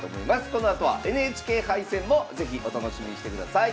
このあとはＮＨＫ杯戦も是非お楽しみにしてください！